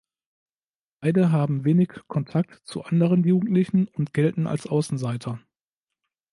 Beide haben wenig Kontakt zu anderen Jugendlichen und gelten als Außenseiter.